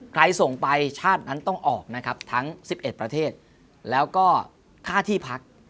ใครส่งไปชาตินั้นต้องออกนะครับทั้ง๑๑ประเทศแล้วก็ค่าที่พัก